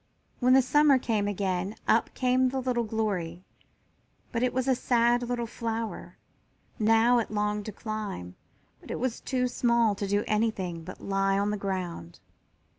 When the summer came again up came the little Glory, but it was a sad little flower. Now it longed to climb, but it was too small to do anything but lie on the ground.